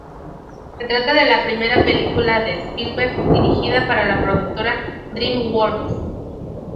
Se trata de la primera película de Spielberg dirigida para la productora DreamWorks.